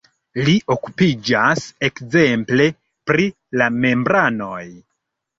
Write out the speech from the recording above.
Li okupiĝas ekzemple pri la membranoj.